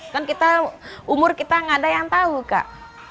kan kita umur kita nggak ada yang tahu kak